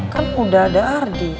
kan udah ada ardi